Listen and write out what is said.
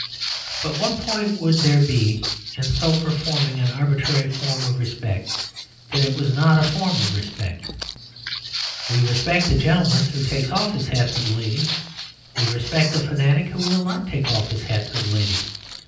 But what point would there be in so performing an arbitrary form of respect that it was not a form of respect? We respect the gentleman who takes off his hat to the lady; we respect the fanatic who will not take off his hat to the lady.